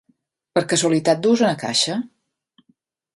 Per casualitat duus una caixa?